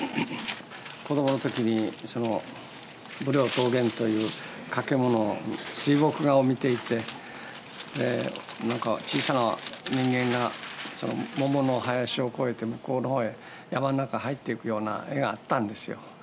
子どもの時に「武陵桃源」という掛け物水墨画を見ていてなんか小さな人間が桃の林を越えて向こうの方へ山の中へ入っていくような絵があったんですよ